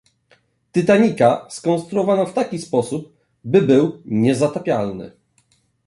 "Titanica" skonstruowano w taki sposób, by był niezatapialny